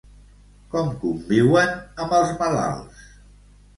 Com conviuen amb els malalts?